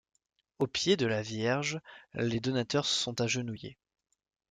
Aux pieds de la Vierge, les donateurs sont agenouillés.